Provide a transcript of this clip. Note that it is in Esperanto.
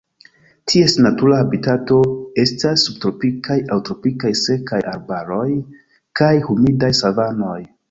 Ties natura habitato estas subtropikaj aŭ tropikaj sekaj arbaroj kaj humidaj savanoj.